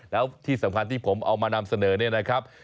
แล้วที่สำคัญที่ผมเอามานำเสนอเนี่ยนะครับ